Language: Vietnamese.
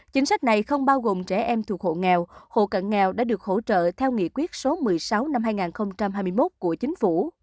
chính sách này không bao gồm trẻ em thuộc hộ nghèo hộ cận nghèo đã được hỗ trợ theo nghị quyết số một mươi sáu năm hai nghìn hai mươi một của chính phủ